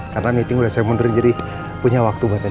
karena meeting udah saya mundurin jadi punya waktu buat rena